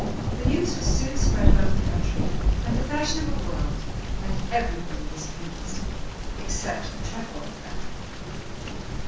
The news was soon spread about the country and the fashionable world; and everybody was pleased, except the Trefoil family.